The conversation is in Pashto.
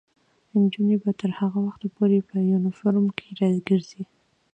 نجونې به تر هغه وخته پورې په یونیفورم کې ګرځي.